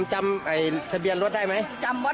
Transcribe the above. จำทะเบียนรถได้ไหม